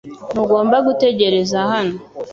Ntugomba gutegereza hano .